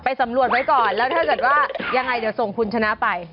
สำรวจไว้ก่อนแล้วถ้าเกิดว่ายังไงเดี๋ยวส่งคุณชนะไป